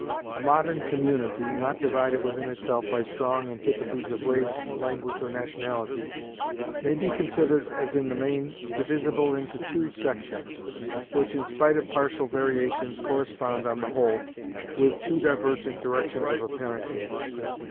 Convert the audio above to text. A modern community, not divided within itself by strong antipathies of race, language, or nationality, may be considered as in the main divisible into two sections, which, in spite of partial variations, correspond on the whole with two divergent directions of apparent interest.